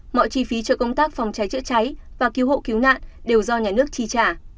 mọi chi phí cho công tác phòng cháy chữa cháy và cứu hộ cứu nạn đều do nhà nước chi trả